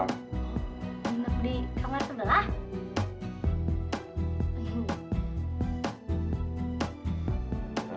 nginep di kamar sebelah